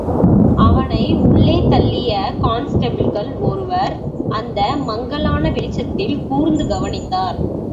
அவனை உள்ளே தள்ளிய கான்ஸ்டெபிள்களில் ஒருவர் அந்த மங்கலான வெளிச்சத்தில் கூர்ந்து கவனித்தார்.